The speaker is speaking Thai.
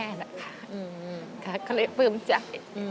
อืมค่ะก็เลยเพิ่มใจ